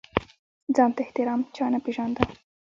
ځان ته احترام چا نه پېژانده.